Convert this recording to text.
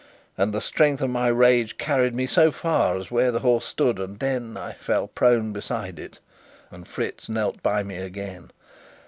And the strength of my rage carried me so far as where the horse stood, and then I fell prone beside it. And Fritz knelt by me again.